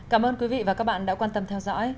cảm ơn quý vị và các bạn đã quan tâm theo dõi